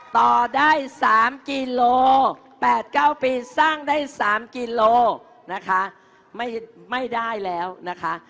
ตอได้สามกิโลแปดเก้าปีสร้างได้สามกิโลนะคะไม่ได้แล้วนะคะ